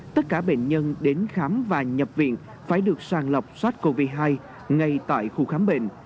tất cả bệnh nhân đến khám và nhập viện phải được sàng lọc sars cov hai ngay tại khu khám bệnh